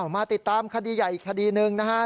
มาติดตามคดีใหญ่อีกคดีหนึ่งนะครับ